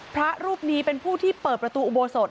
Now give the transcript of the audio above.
พระรูปนี้เป็นผู้ที่เปิดประตูอุโบสถ